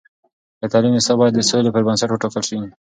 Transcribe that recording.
د تعلیم نصاب باید د سولې پر بنسټ وټاکل شي.